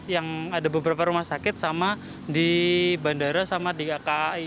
yang ada beberapa rumah sakit sama di bandara sama di aki